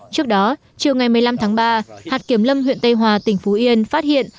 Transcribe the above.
trước đó chiều ngày một mươi năm tháng ba hạt kiểm lâm huyện tây hòa tỉnh phú yên phát hiện